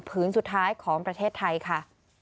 สุดท้ายของประเทศไทยค่ะ